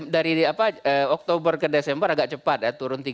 dari oktober ke desember agak cepat ya turun tiga